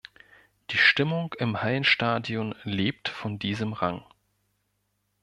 Die Stimmung im Hallenstadion lebt von diesem Rang.